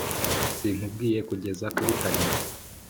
sinkubwiye kugeza kuri karindwi,